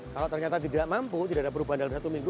kalau ternyata tidak mampu tidak ada perubahan dalam satu minggu